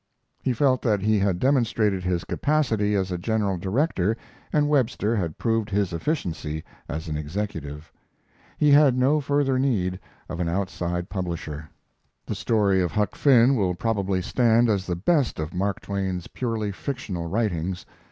He felt that he had demonstrated his capacity as a general director and Webster had proved his efficiency as an executive. He had no further need of an outside publisher. The story of Huck Finn will probably stand as the best of Mark Twain's purely fictional writings.